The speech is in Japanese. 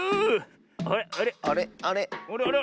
あれあれ？